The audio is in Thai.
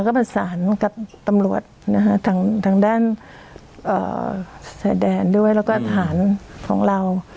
ก็ประสานกับตำลวดนะฮะทางทางด้านเอ่อแสดงด้วยแล้วก็อาหารของเรา